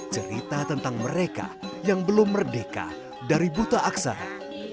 cerita tentang mereka yang belum merdeka dari buta aksana